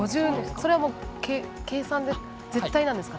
それは計算で絶対なんですかね？